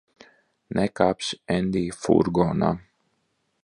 Nekāpsi Endija furgonā.